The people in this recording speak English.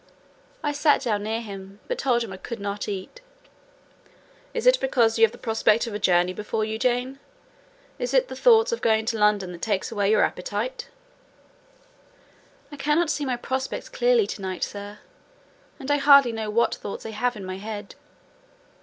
I sat down near him, but told him I could not eat. "Is it because you have the prospect of a journey before you, Jane? Is it the thoughts of going to London that takes away your appetite?" "I cannot see my prospects clearly to night, sir; and I hardly know what thoughts I have in my head.